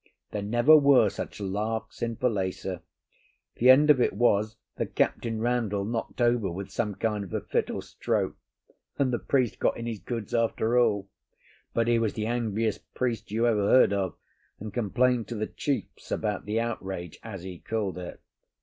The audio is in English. There never were such larks in Falesá. The end of it was that Captain Randall knocked over with some kind of a fit or stroke, and the priest got in his goods after all. But he was the angriest priest you ever heard of, and complained to the chiefs about the outrage, as he called it.